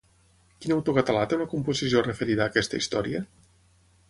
Quin autor català té una composició referida a aquesta història?